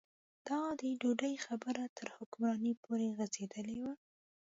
دا د ډوډۍ خبره تر حکمرانۍ پورې غځېدلې وه.